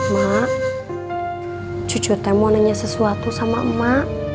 mak cucu teh mau nanya sesuatu sama mak